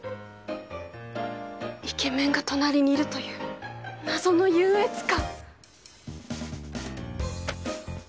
イケメンが隣にいるという謎の優越感。